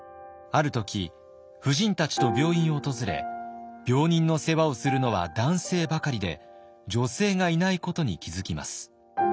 ある時夫人たちと病院を訪れ病人の世話をするのは男性ばかりで女性がいないことに気付きます。